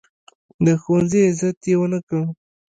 د ښوونځي عزت یې ونه کړ.